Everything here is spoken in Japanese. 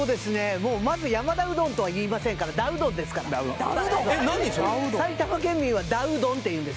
もうまず「山田うどん」とはいいませんから「だうどん」えっ何それ埼玉県民は「だうどん」っていうんです